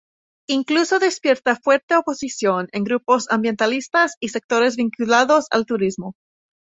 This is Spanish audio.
Incluso despierta fuerte oposición en grupos ambientalistas y sectores vinculados al turismo.